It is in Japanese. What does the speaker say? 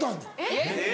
えっ？